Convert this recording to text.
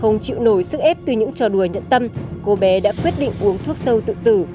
ông chịu nổi sức ép từ những trò đùa nhận tâm cô bé đã quyết định uống thuốc sâu tự tử